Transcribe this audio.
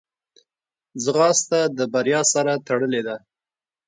ځغاسته د بریا سره تړلې ده